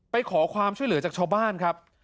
ไปขอความช่วยเหลือจากชาวบ้านครับ